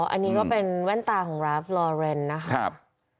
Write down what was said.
อันนี้ก็เป็นแว่นตาของราฟลอเรนด์นะครับ